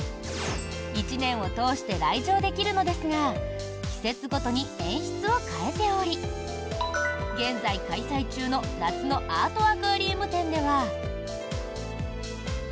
１年を通して来場できるのですが季節ごとに演出を変えており現在、開催中の夏のアートアクアリウム展では。